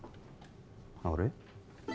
あれ？